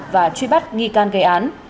và truy bắt nghi can gây án